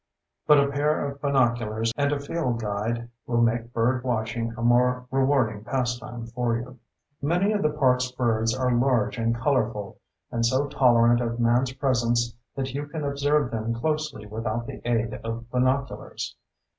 But a pair of binoculars and a field guide will make bird watching a more rewarding pastime for you. Many of the park's birds are large and colorful, and so tolerant of man's presence that you can observe them closely without the aid of binoculars.